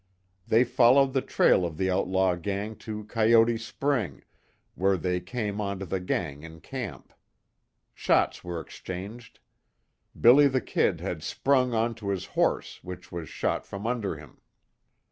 They followed the trail of the outlaw gang to Coyote Spring, where they came onto the gang in camp. Shots were exchanged. "Billy the Kid" had sprung onto his horse, which was shot from under him.